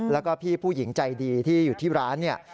แล้วก็พี่ผู้หญิงใจดีที่อยู่ที่ร้านเนี่ย